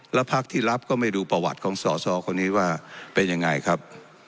แล้วพักที่รับก็ไม่ดูประวัติของสอสอคนนี้ว่าเป็นยังไงครับ